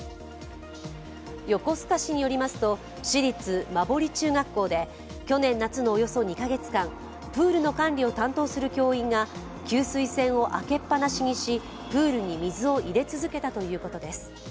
横須賀市によりますと市立馬堀中学校で去年夏のおよそ２カ月間、プールの管理を担当する教員が給水栓を開けっぱなしにしプールに水を入れ続けたということです。